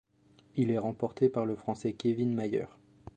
Il est remporté par le Français Kévin Mayer.